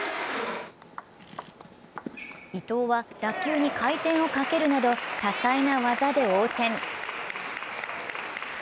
伊藤は打球に回転をかけるなど多彩な技で応戦。